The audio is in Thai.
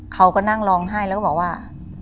เขาก็นั่งร้องไห้แล้วก็บอกว่า